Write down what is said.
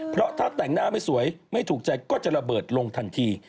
เพราะถ้าแต่งหน้าไม่สวยไม่ถูกใจก็จะระเบิดลงทันที